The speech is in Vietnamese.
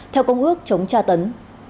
theo công ước chống tra tấn